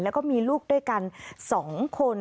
แล้วก็มีลูกด้วยกัน๒คน